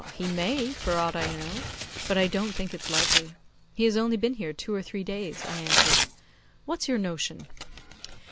'He may, for aught I know; but I don't think it's likely. He has only been here two or three days,' I answered. 'What's your notion?